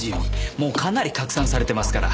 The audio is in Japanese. もうかなり拡散されてますから。